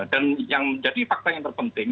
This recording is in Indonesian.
dan yang menjadi fakta yang terpenting